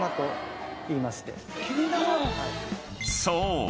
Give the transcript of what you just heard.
［そう。